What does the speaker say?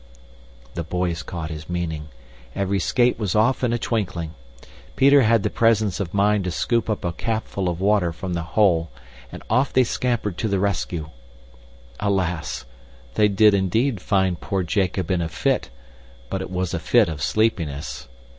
The boys caught his meaning. Every skate was off in a twinkling. Peter had the presence of mind to scoop up a capful of water from the hole, and off they scampered to the rescue. Alas! They did indeed find poor Jacob in a fit, but it was a fit of sleepiness.